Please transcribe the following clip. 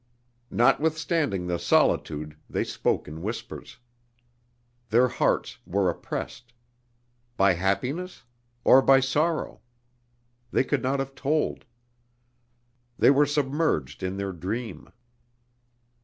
Notwithstanding the solitude they spoke in whispers. Their hearts were oppressed: by happiness? or by sorrow? They could not have told. They were submerged in their dream.